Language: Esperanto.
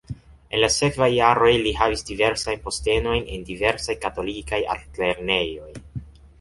En la sekvaj jaroj li havis diversajn postenojn en diversaj katolikaj altlernejoj.